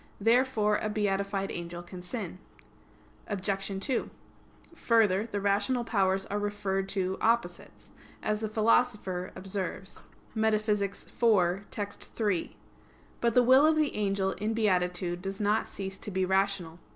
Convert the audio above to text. Therefore a beatified angel can sin. Obj. 2: Further, the rational powers are referred to opposites, as the Philosopher observes (Metaph. iv, text. 3). But the will of the angel in beatitude does not cease to be rational.